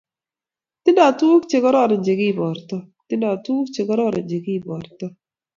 Tindo tuguk chekororon chekiborto. Tindo tuguk chekororon chekiborto.